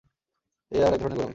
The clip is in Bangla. এ আর এক রকমের গোঁড়ামি।